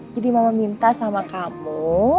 jadi mama minta sama kamu